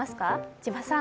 千葉さん。